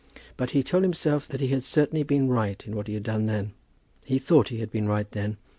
But he told himself that he had certainly been right in what he had done then. He thought he had been right then.